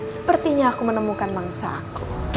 sepertinya aku menemukan mangsaku